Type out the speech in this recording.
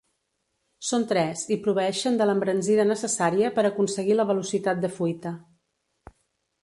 Són tres, i proveeixen de l'embranzida necessària per aconseguir la velocitat de fuita.